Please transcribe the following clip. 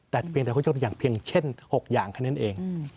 แต่เพียงแต่ข้อโชคอย่างเพียงเช่นหกอย่างแค่นั้นเองอืม